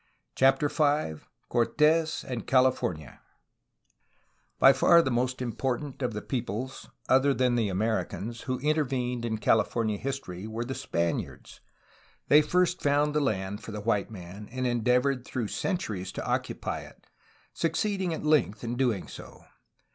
CHAPTER V CORTES AND CALIFORNIA By far the most important of the peoples other than the Americans who intervened in CaUfornia history were the Spaniards. They first found the land for the white man, and endeavored through centuries to occupy it, succeeding at length in doing so.